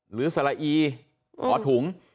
หรือสละอีหอถุง